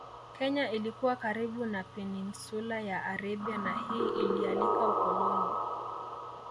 Kenya ilikuwa karibu na Peninsula ya Arabia na hii ilialika ukoloni